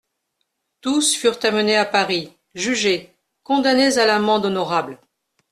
Tous furent amenés à Paris, jugés, condamnés à l'amende honorable.